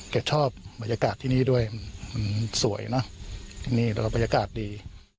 แกชอบบรรยากาศที่นี่ด้วยสวยนะที่นี่บรรยากาศดี